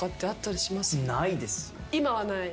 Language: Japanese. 今はない？